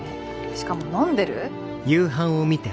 しかも飲んでる？